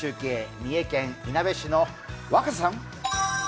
三重県いなべ市の若狭さん。